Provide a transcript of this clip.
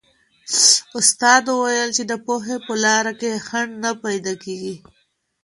استاد وویل چې د پوهې په لار کې خنډ نه پیدا کېږي.